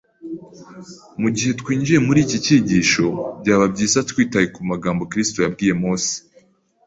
Mu gihe twinjiye muri iki cyigisho, byaba byiza twitaye ku magambo Kristo yabwiye Mose